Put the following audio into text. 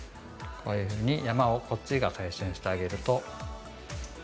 こういうふうに山をこっちが最初にしてあげると。